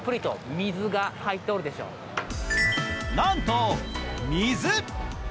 なんと水。